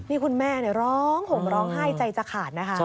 นี่คุณแม่ร้องห่มร้องไห้ใจจะขาดนะคะ